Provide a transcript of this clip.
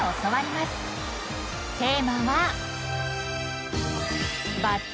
［テーマは］